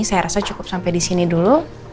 saya rasa cukup sampai disini dulu